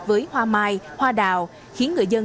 với hoa mai hoa đào khiến người dân